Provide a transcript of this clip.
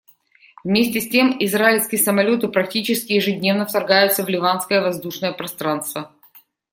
Вместе с тем, израильские самолеты практически ежедневно вторгаются в ливанское воздушное пространство.